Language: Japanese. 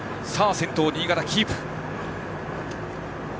先頭、新潟キープ。